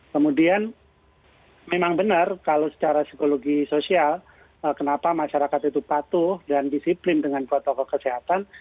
kemudian memang benar kalau secara psikologi sosial kenapa masyarakat itu patuh dan disiplin dengan protokol kesehatan